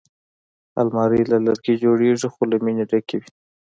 الماري له لرګي جوړېږي خو له مینې ډکې وي